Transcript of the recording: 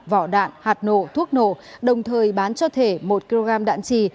vỏ đạn hạt nổ thuốc nổ đồng thời bán cho thể một kg đạn trì